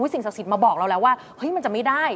สิ่งศักดิ์สิทธิ์มาบอกเราแล้วว่าเฮ้ยมันจะไม่ได้